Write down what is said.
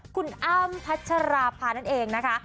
คุณอ้ำพัชราภานั่นเองนะคะ